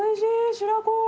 白子！